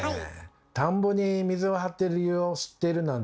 田んぼに水を張っている理由を知っているなんてすばらしい！